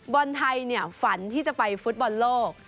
บอลไทรฟันว่าจะไปฟูตบอลโลก